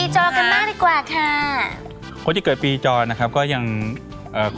ชีวิตเขาไม่ค่อยแบบรวดโผล่เท่าไหร่เนอะ